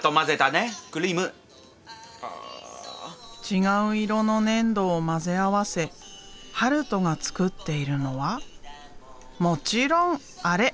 違う色のねんどを混ぜ合わせ悠斗が作っているのはもちろんアレ！